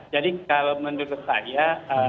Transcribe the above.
jadi kalau menurut saya